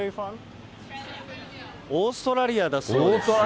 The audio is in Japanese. オーストラリアだそうです。